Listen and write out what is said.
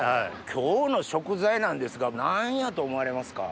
今日の食材なんですが何やと思われますか？